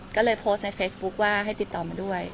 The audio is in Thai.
ก็เลยโพสต์ในเฟซบุ๊คว่าให้ติดต่อมาด้วย